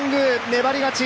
粘り勝ち！